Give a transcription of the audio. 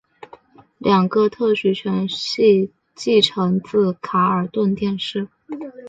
两个特许权系继承自卡尔顿电视。